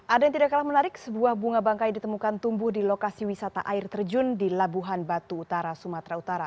ada yang tidak kalah menarik sebuah bunga bangkai ditemukan tumbuh di lokasi wisata air terjun di labuhan batu utara sumatera utara